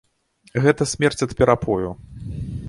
Гэта смерць ад перапою.